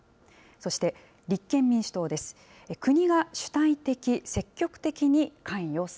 そして、立憲民主党です。